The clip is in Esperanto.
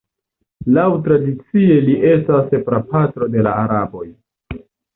Laŭ tradicie li estas prapatro de la araboj.